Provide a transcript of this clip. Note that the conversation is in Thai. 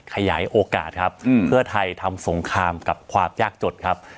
ขยายโอกาสครับเพื่อไทยทำสงครามกับความยากจดครับ